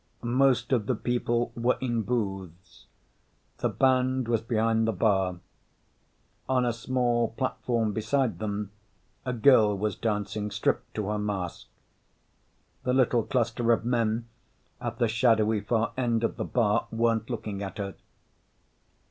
Most of the people were in booths. The band was behind the bar. On a small platform beside them, a girl was dancing, stripped to her mask. The little cluster of men at the shadowy far end of the bar weren't looking at her.